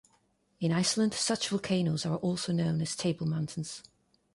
In Iceland, such volcanoes are also known as table mountains.